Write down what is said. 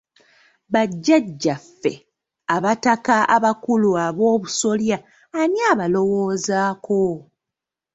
Bajjajjaffe Abataka abakulu Aboobusolya ani abalowoozaako?